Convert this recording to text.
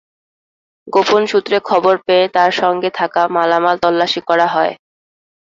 গোপন সূত্রে খবর পেয়ে তাঁর সঙ্গে থাকা মালামাল তল্লাশি করা হয়।